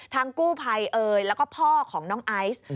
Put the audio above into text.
กู้ภัยเอ่ยแล้วก็พ่อของน้องไอซ์